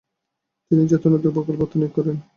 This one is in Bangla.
তিনি জাতির উন্নতিকল্পে আত্মনিয়োগ করেন।